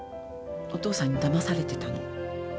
お父さんにだまされてたの。